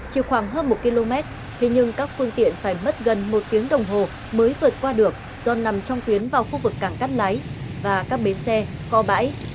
chỉ khoảng hơn một km thế nhưng các phương tiện phải mất gần một tiếng đồng hồ mới vượt qua được do nằm trong tuyến vào khu vực cảng cắt lái và các bến xe kho bãi